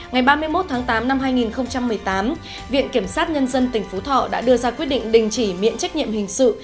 ngày ba mươi một tháng tám năm hai nghìn một mươi tám viện kiểm sát nhân dân tỉnh phú thọ đã đưa ra quyết định đình chỉ miễn trách nhiệm hình sự